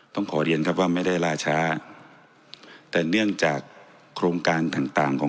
ต้องขอเรียนครับว่าไม่ได้ล่าช้าแต่เนื่องจากโครงการต่างต่างของ